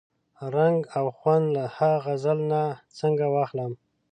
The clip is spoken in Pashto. رنګ او خوند له ها غزل نه څنګه واخلم؟